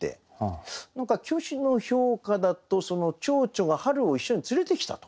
何か虚子の評価だと蝶々が春を一緒に連れてきたと。